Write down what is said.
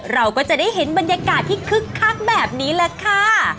เราก็จะได้เห็นบรรยากาศที่คึกคักแบบนี้แหละค่ะ